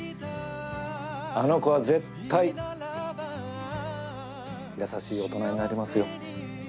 あの子は絶対優しい大人になりますよ。